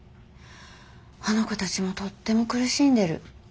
あの子たちもとっても苦しんでる。